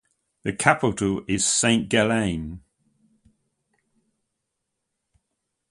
The capital is Saint Gallen.